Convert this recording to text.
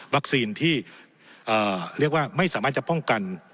วัคซีนที่เอ่อเรียกว่าไม่สามารถจะป้องกัน